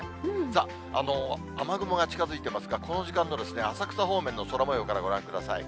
さあ、雨雲が近づいてますが、この時間の浅草方面の空もようからご覧ください。